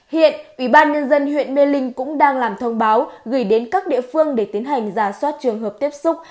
hiện ủy ban nhân dân huyện mê linh cũng đang làm thông báo gửi đến các địa phương để tiến hành giả soát trường hợp tiếp xúc